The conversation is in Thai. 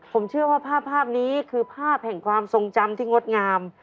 ผมเชื่อว่าภาพนี้คือภาพแห่งความทรงจำที่งดงาม